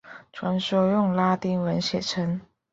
全书用拉丁文写成。